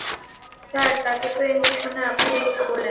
Sir, তাকে তো এই মিশনে আপনিই নিযুক্ত করলেন।